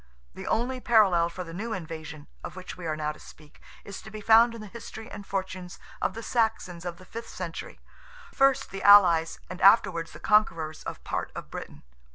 The only parallel for the new invasion, of which we are now to speak, is to be found in the history and fortunes of the Saxons of the fifth century, first the allies and afterwards the conquerors of part of Britain.